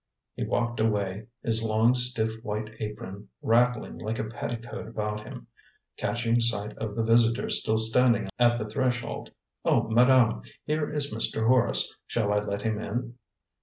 He walked away, his long stiff white apron rattling like a petticoat about him. Catching sight of the visitor still standing at the threshold: "Oh, madame, here is Mr. Horace. Shall I let him in?"